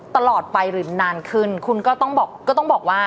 ตลอดไปหรือนานขึ้นคุณก็ต้องบอกว่า